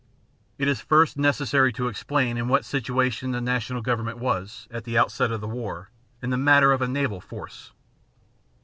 It is first necessary to explain in what situation the National government was, at the outset of the war, in the matter of a naval force.